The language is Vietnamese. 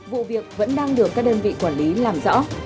vụ việc vẫn đang được các đơn vị quản lý làm rõ